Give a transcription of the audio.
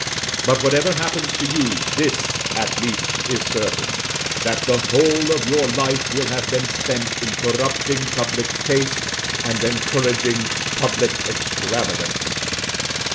But whatever happens to you, this, at least, is certain, that the whole of your life will have been spent in corrupting public taste and encouraging public extravagance.